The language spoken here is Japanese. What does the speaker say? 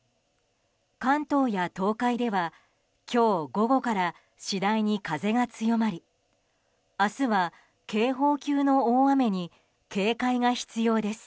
関東や東海では今日午後から次第に風が強まり明日は警報級の大雨に警戒が必要です。